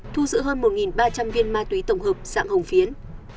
thu giữ hơn một ba trăm linh viên ma túy tổng hợp dạng hồng phiến